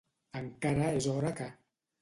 Encara és hora que.